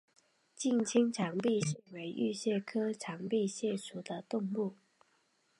近亲长臂蟹为玉蟹科长臂蟹属的动物。